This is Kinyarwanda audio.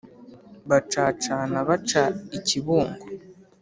bacacana baca i kibungo